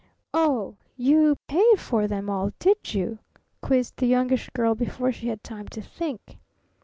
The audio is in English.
"Oh you paid for them all, did you?" quizzed the Youngish Girl before she had time to think.